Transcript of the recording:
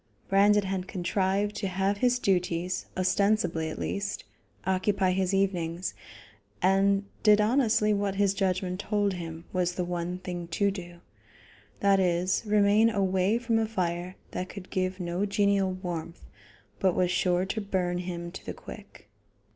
Brandon had contrived to have his duties, ostensibly at least, occupy his evenings, and did honestly what his judgment told him was the one thing to do; that is, remain away from a fire that could give no genial warmth, but was sure to burn him to the quick.